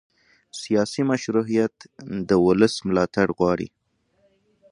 سیاسي مشروعیت د ولس ملاتړ غواړي